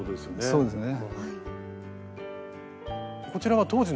そうですね。